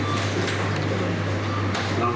นั่นค่ะ